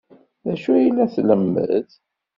D acu ay la tlemmed?